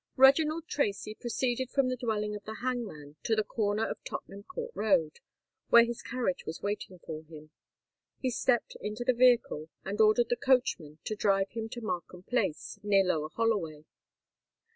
Reginald Tracy proceeded from the dwelling of the hangman to the corner of Tottenham Court Road, where his carriage was waiting for him. He stepped into the vehicle, and ordered the coachman to drive him to Markham Place near Lower Holloway.